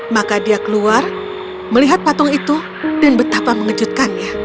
maka dia keluar melihat patung itu dan betapa mengejutkannya